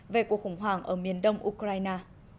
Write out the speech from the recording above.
về cuộc khủng hoảng ở miền đông ukraine